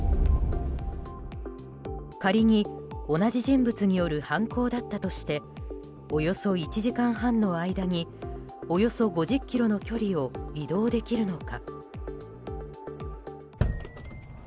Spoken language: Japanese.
仮に同じ人物による犯行だったとしておよそ１時間半の間におよそ５０ｋｍの距離を移動できるのか。